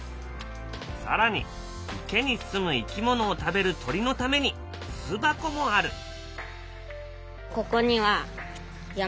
更に池にすむ生き物を食べる鳥のために巣箱もある。